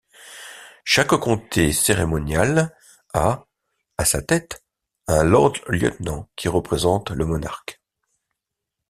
Chaque comté cérémonial a, à sa tête, un Lord Lieutenant qui représente le monarque.